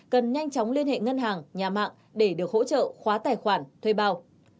cần nhanh chóng liên hệ ngân hàng nhà mạng để được hỗ trợ khóa tài khoản thuê bao